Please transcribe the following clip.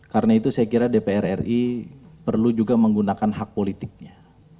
karena itu saya kira dpr ri perlu juga menggunakan hak politiknya